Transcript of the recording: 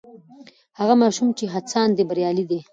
هغه ماشوم چې هڅاند دی بریالی دی.